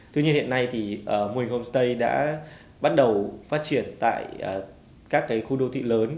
tuy nhiên hiện nay thì mô hình homestay đã bắt đầu phát triển tại các khu đô thị lớn